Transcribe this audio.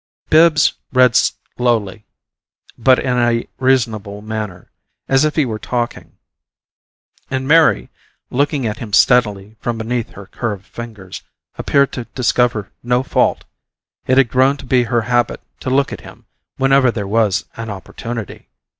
Bibbs read slowly, but in a reasonable manner, as if he were talking; and Mary, looking at him steadily from beneath her curved fingers, appeared to discover no fault. It had grown to be her habit to look at him whenever there was an opportunity.